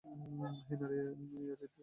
সে নারী ইয়াজিদের কাছে অভিযোগ করেন।